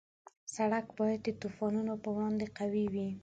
سړک باید د طوفانونو په وړاندې قوي وي.